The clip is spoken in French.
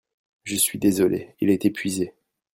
Je suis désolé, il est epuisé.